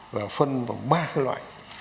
và phân vào ba loại